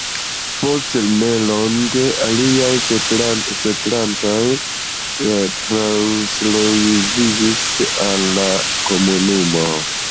Post ne longe, aliaj setlantoj transloĝiĝis al al komunumo.